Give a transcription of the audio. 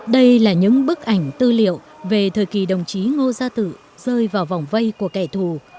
đây là những bức ảnh tư liệu về thời kỳ đồng chí ngô gia tự rơi vào vòng vây của kẻ thù